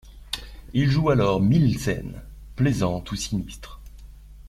Ils jouent alors mille scènes plaisantes ou sinistres.